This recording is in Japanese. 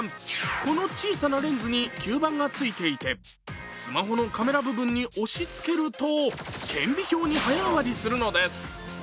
この小さなレンズに吸盤がついていてスマホのカメラ部分に押しつけると顕微鏡に早変わりするんです。